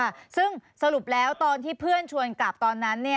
ค่ะซึ่งสรุปแล้วตอนที่เพื่อนชวนกลับตอนนั้นเนี่ย